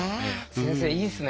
先生いいですね。